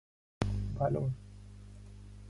Valour!